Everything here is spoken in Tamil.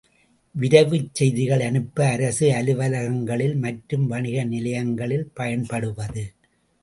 விரைவுச் செய்திகள் அனுப்ப அரசு அலுவலகங்கள் மற்றும் வணிக நிலையங்களில் பயன்படுவது.